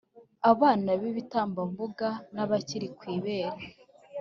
abana b’ibitambambuga n’abakiri ku ibere,